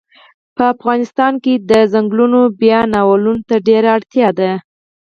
په افغانستان کښی د ځنګلونو بیا نالولو ته ډیره اړتیا ده